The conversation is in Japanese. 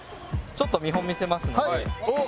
ちょっと見本見せますので。